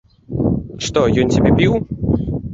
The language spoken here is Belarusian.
Што, ён цябе біў?